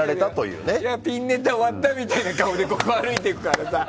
ピンネタ終わったみたいな顔でここを歩いていくからさ。